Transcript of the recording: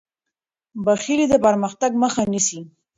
بخیلي د پرمختګ مخه نیسي.